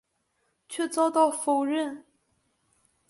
却遭到否认。